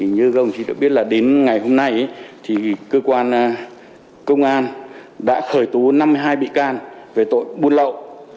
như các ông chỉ được biết là đến ngày hôm nay thì cơ quan công an đã khởi tố năm mươi hai bị can về tội buôn lậu